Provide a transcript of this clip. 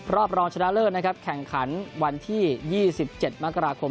รองชนะเลิศนะครับแข่งขันวันที่๒๗มกราคม